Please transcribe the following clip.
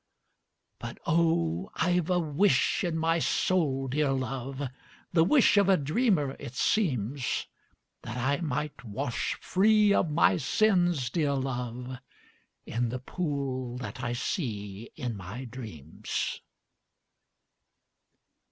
But, oh, I 've a wish in my soul, dear love, (The wish of a dreamer, it seems,) That I might wash free of my sins, dear love, In the pool that I see in my dreams.